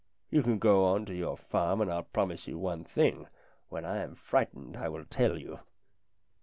You can go on to your farm, and I'll promise you one thing when I am frightened I will tell you."